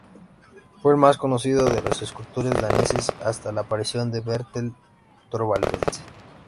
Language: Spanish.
Fue el más conocido de los escultores daneses hasta la aparición de Bertel Thorvaldsen.